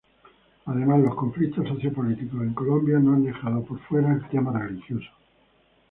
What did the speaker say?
Además los conflictos socio-políticos en Colombia no han dejado por fuera el tema religioso.